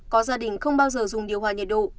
có gia đình không bao giờ dùng điều hòa nhiệt độ